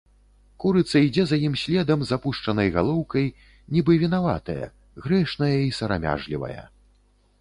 Курыца ідзе за ім следам з апушчанай галоўкай, нібы вінаватая, грэшная і сарамяжлівая.